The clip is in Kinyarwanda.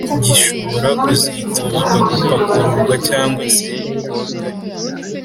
gishobora kuzituzwa gupakururwa cg se guhagarikwa